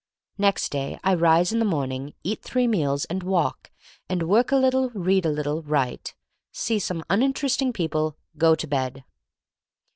Next day, I rise in the morning; eat three meals; and walk; and work a little, read a little, write; see some un interesting people; go to bed.